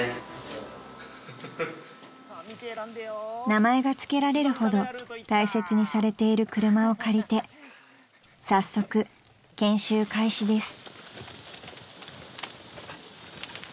［名前が付けられるほど大切にされている車を借りて早速研修開始です］